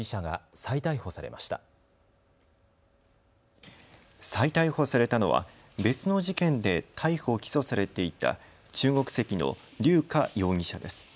再逮捕されたのは別の事件で逮捕・起訴されていた中国籍の劉佳容疑者です。